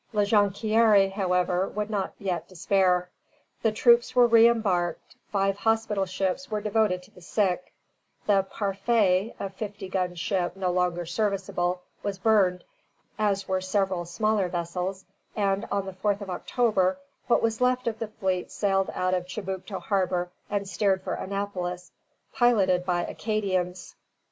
La Jonquière, however, would not yet despair. The troops were re embarked; five hospital ships were devoted to the sick; the "Parfait," a fifty gun ship no longer serviceable, was burned, as were several smaller vessels, and on the 4th of October what was left of the fleet sailed out of Chibucto Harbor and steered for Annapolis, piloted by Acadians.